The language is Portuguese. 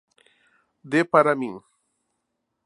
Dê para mim